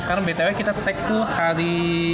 sekarang btw kita take tuh hari